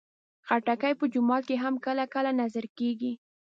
خټکی په جومات کې هم کله کله نذر کېږي.